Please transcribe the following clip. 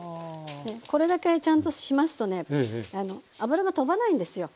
これだけちゃんとしますとね油が飛ばないんですよ。